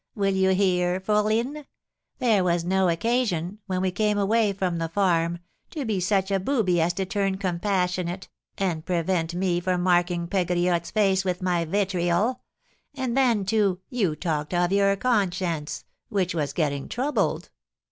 Will you hear, fourline? There was no occasion, when we came away from the farm, to be such a booby as to turn compassionate, and prevent me from marking Pegriotte's face with my vitriol; and then, too, you talked of your conscience, which was getting troubled.